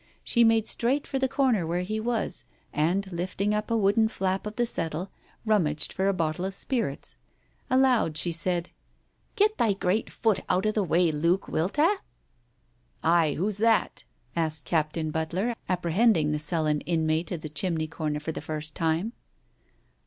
She made straight for the corner where he was, and lifting up a wooden flap of the settle, rummaged for a bottle of spirits. Aloud she said — "Get thy great foot out of the way, Luke, wilt 'a !" "Ay, who's that?" asked Captain Butler, apprehend ing the sullen inmate of the chimney corner for the first time.